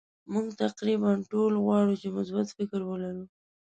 مونږ تقریبا ټول غواړو چې مثبت فکر ولرو.